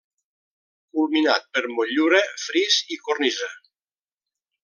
Culminat per motllura, fris, i cornisa.